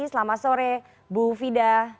selamat sore mufida